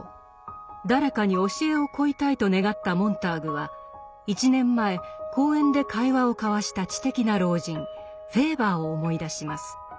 誰かに教えを乞いたいと願ったモンターグは１年前公園で会話を交わした知的な老人フェーバーを思い出します。